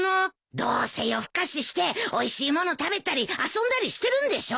どうせ夜更かししておいしい物食べたり遊んだりしてるんでしょ？